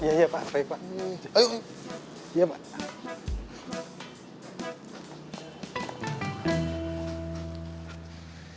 iya pak baik pak